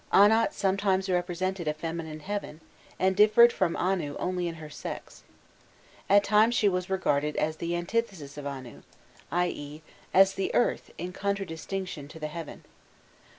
Anat sometimes represented a feminine heaven, and differed from Anu only in her sex. At times she was regarded as the antithesis of Anu, i.e. as the earth in contradistinction to the heaven.